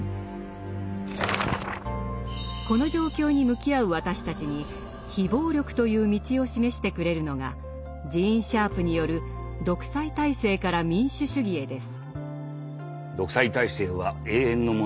この状況に向き合う私たちに「非暴力」という道を示してくれるのがジーン・シャープによる「独裁体制から民主主義へ」です。